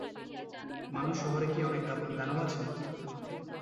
মানুষের শহরে কি অনেক দানব আছে?